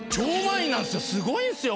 すごいんですよ